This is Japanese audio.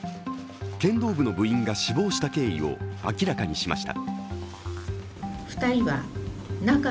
剣道部の部員が死亡した経緯を明らかにしました。